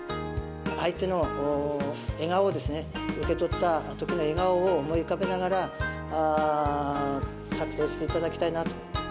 相手の笑顔をですね、受け取ったときの笑顔を思い浮かべながら作成していただきたいなと。